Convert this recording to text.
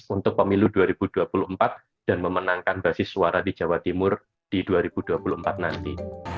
untuk pemilu dua ribu dua puluh empat dan memenangkan basis suara di jawa timur di dua ribu dua puluh empat nanti